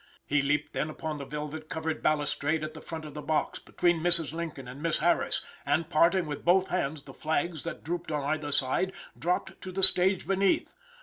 He leaped then upon the velvet covered balustrade at the front of the box, between Mrs. Lincoln and Miss Harris, and, parting with both hands the flags that drooped on either side, dropped to the stage beneath.